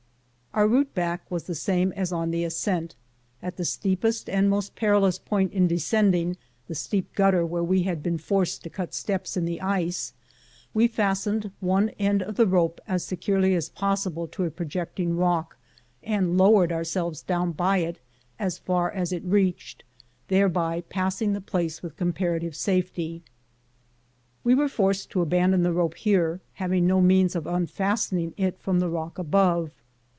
Our route back was the same as on the ascent. At the steepest and most perilous point in descending the steep gutter where we had been forced to cut steps in the ice, we fastened one end of the rope as securely as possible to a projecting rock, and lowered ourselves down by it as far as it reached, thereby passing the place with comparative safety. We were forced to abandon the rope here, having no means of unfastening it from the rock above.